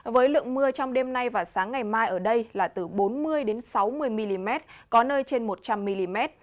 với lượng mưa trong đêm nay và sáng ngày mai ở đây là từ bốn mươi sáu mươi mm có nơi trên một trăm linh mm